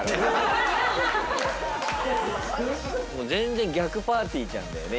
もう全然逆ぱーてぃーちゃんだよね